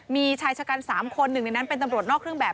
มีชายชะกัน๓คนหนึ่งในนั้นเป็นตำรวจนอกเครื่องแบบ